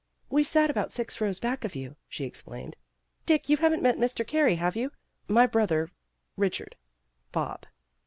"We sat about six rows back of you," she explained. "Dick, you haven't met Mr. Carey, have you? My brother, Eichard, Bob."